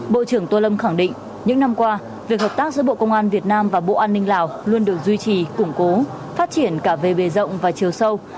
bộ công an việt nam và bộ an ninh lào luôn được duy trì củng cố phát triển cả về bề rộng và chiều sâu